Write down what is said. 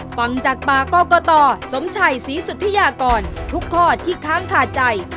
ฟังจากปากกรกตสมชัยศรีสุธิยากรทุกข้อที่ค้างคาใจ